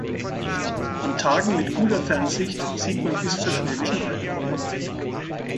An Tagen mit guter Fernsicht sieht man bis zur Schwäbischen Alb.